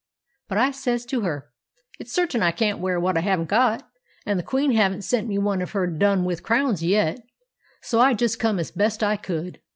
But I says to her, 'It's certain I can't wear what I haven't got, and the Queen haven't sent me one of her done with crowns yet.' So I just come as best I could."